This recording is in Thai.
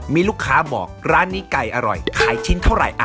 มีลูกค้าบอกร้านนี้ไก่อร่อยขายชิ้นเท่าไหร่